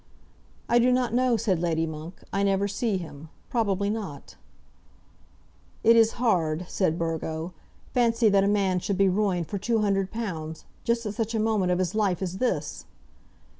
"I do not know," said Lady Monk. "I never see him. Probably not." "It is hard," said Burgo. "Fancy that a man should be ruined for two hundred pounds, just at such a moment of his life as this!"